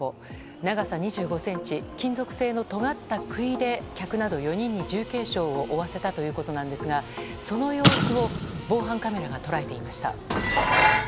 長さ２５ｃｍ金属製のとがった杭で客など４人に重軽傷を負わせたということですがその様子を防犯カメラが捉えていました。